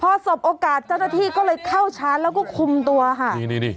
พอสบโอกาสเจ้าหน้าที่ก็เลยเข้าชาร์จแล้วก็คุมตัวค่ะนี่นี่